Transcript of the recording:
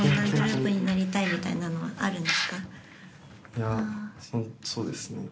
いやそうそうですね。